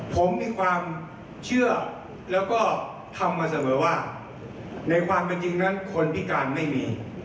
ผมมีความเชื่อแล้วก็ทำมาเสมอว่าในความเป็นจริงนั้นคนพิการไม่มี